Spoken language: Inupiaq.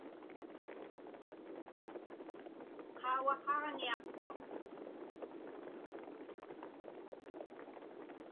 Qaugaqaġniaqtuq.